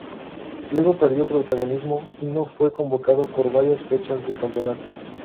Luego perdió protagonismo, y no fue convocado por varias fechas del campeonato.